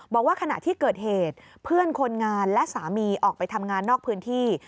บอกว่าขณะที่เกิดเหตุเพื่อนคนงานและสามีออกไปทำงานนอกพื้นที่